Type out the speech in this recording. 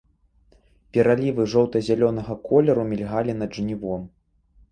Пералівы жоўта-зялёнага колеру мільгалі над жнівом.